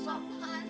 kau apaan sih